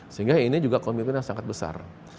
sehingga ini juga komitmen yang sangat besar